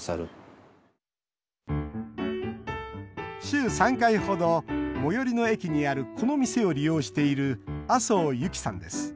週３回程、最寄りの駅にあるこの店を利用している麻生侑希さんです。